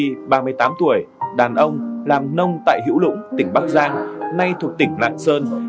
đại quý hoàng anh tuấn là một người đàn ông làm nông tại hữu lũng tỉnh bắc giang nay thuộc tỉnh lạng sơn